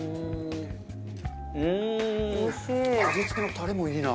味付けのタレもいいな。